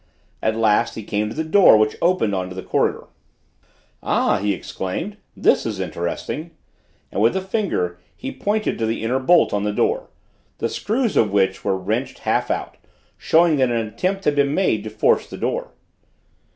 At last he came to the door which opened on to the corridor. "Ah!" he exclaimed: "this is interesting!" and with a finger he pointed to the inner bolt on the door, the screws of which were wrenched half out, showing that an attempt had been made to force the door.